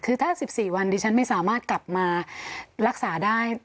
คือถ้า๑๔วันดิฉันไม่สามารถกลับมารักษาได้